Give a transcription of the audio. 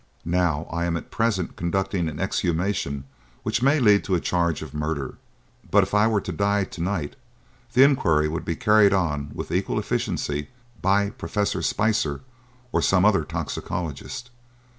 Now, I am at present conducting an exhumation which may lead to a charge of murder; but if I were to die to night the inquiry would be carried out with equal efficiency by Professor Spicer or some other toxicologist.